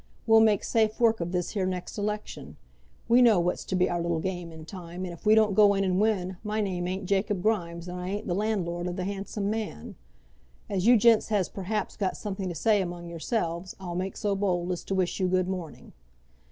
We'll make safe work of this here next election. We know what's to be our little game in time, and if we don't go in and win, my name ain't Jacob Grimes, and I ain't the landlord of the 'Handsome Man.' As you gents has perhaps got something to say among yourselves, I'll make so bold as to wish you good morning."